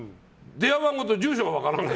電話番号と住所が分からない？